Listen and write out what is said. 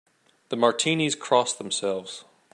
The Martinis cross themselves.